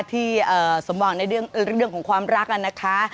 ที่สำหรับในเรื่องเรื่องของความรักนะคะ